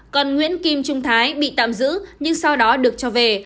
còn nguyễn kim trung thái bị tạm giữ nhưng sau đó được cho về